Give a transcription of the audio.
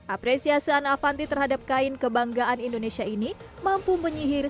apresiasi anna avanti terhadap kain kebanggaan indonesia ini mampu menyihirkan